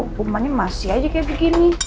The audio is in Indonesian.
hukumannya masih aja kayak begini